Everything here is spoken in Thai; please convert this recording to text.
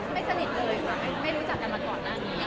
ไม่สนิทเลยค่ะไม่รู้จักกันมาก่อน